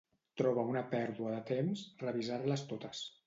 Troba una pèrdua de temps revisar-les totes.